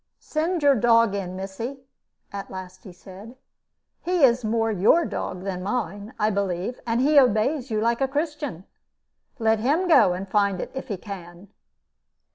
"Send your dog in, missy," at last he said. "He is more your dog than mine, I believe, and he obeys you like a Christian. Let him go and find it if he can."